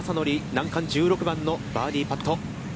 難関１６番のバーディーパット。